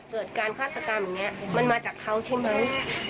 เกิดการฆาตกรรมอย่างนี้มันมาจากเขาใช่ไหม